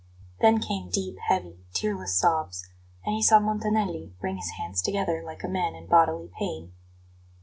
Then came deep, heavy, tearless sobs; and he saw Montanelli wring his hands together like a man in bodily pain.